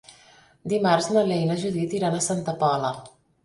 Dimarts na Lea i na Judit iran a Santa Pola.